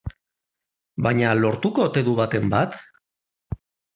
Baina lortuko ote du baten bat?